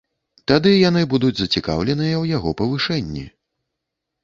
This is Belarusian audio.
Тады яны будуць зацікаўленыя ў яго павышэнні.